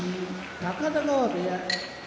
高田川部屋